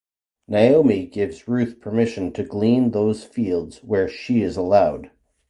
Naomi gives Ruth permission to glean those fields where she is allowed.